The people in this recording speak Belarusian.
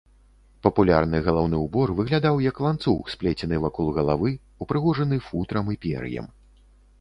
Папулярны галаўны ўбор выглядаў як ланцуг, сплецены вакол галавы, упрыгожаны футрам і пер'ем.